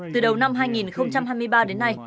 từ đầu năm hai nghìn hai mươi ba đến nay